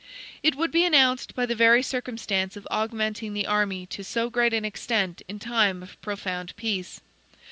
It would be announced, by the very circumstance of augmenting the army to so great an extent in time of profound peace.